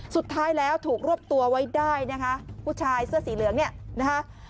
สุดท้ายแล้วถูกรวบตัวไว้ได้นะคะผู้ชายเสื้อสีเหลืองเนี่ยนะคะ